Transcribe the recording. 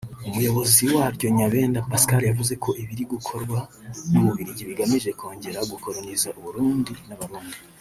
Umuyobozi waryo Nyabenda Pascal yavuze ko ibiri gukorwa n’u Bubiligi bigamije kongera gukoloniza u Burundi n’Abarundi